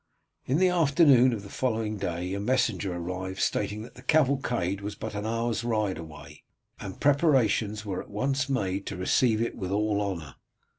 In the afternoon of the following day a messenger arrived stating that the cavalcade was but an hour's ride away, and preparations were at once made to receive it with all honour.